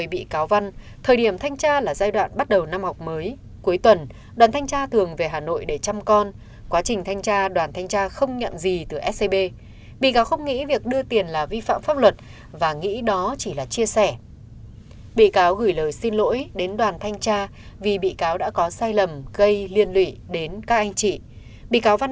bị cáo võ tấn hoàng văn cựu tổng giám đốc fcb trình bày